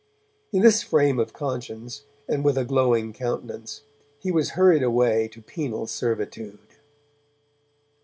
In this frame of conscience, and with a glowing countenance, he was hurried away to penal servitude.